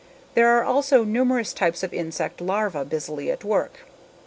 There are also numerous types of insect larvae busily at work.